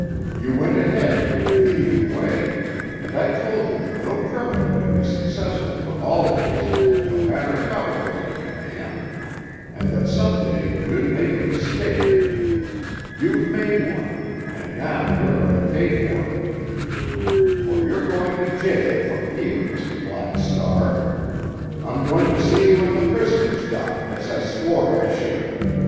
You went ahead on your thieving way, and I told you that no criminal could be successful for always, no matter how brainy a man, and that some day you'd make a mistake. You've made one—and now you're going to pay for it. For you're going to jail from here, Mr. Black Star. I'm going to see you in the prisoner's dock, as I swore I should.